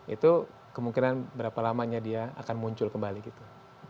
itu kemungkinan berapa lamanya dia akan muncul kembali gitu